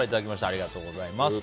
ありがとうございます。